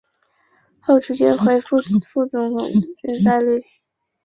后逐渐恢复副总理级政治待遇。